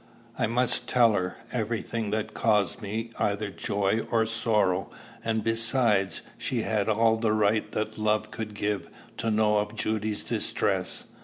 I must tell her every thing that caused me either joy or sorrow; and besides, she had all the right that love could give to know of Judy's distress.